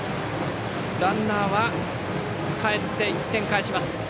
ランナーはかえって１点返します。